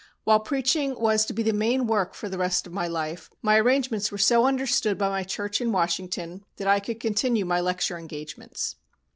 While preaching was to be the main work for the rest of my life, my arrangements were so understood by my church in Washington that I could continue my lecture engagements.